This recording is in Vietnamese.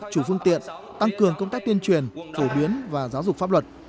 chủ phương tiện tăng cường công tác tuyên truyền phổ biến và giáo dục pháp luật